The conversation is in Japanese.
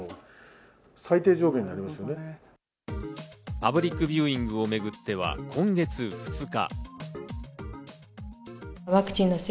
パブリックビューイングをめぐっては今月２日。